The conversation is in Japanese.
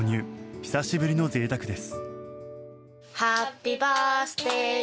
久しぶりのぜいたくです。